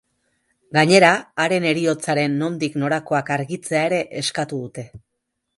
Gainera, haren heriotzaren nondik norakoak argitzea ere eskatu dute.